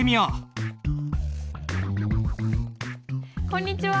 こんにちは。